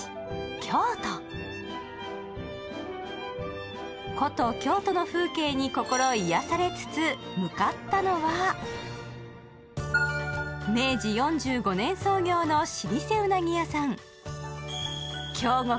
京都古都・京都の風景に心癒やされつつ向かったのは明治４５年創業の老舗うなぎ屋さん京極